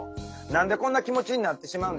何でこんな気持ちになってしまうんでしょうかね？